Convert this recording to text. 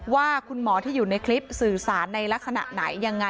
ว่าคุณหมอที่อยู่ในคลิปสื่อสารในลักษณะไหนยังไง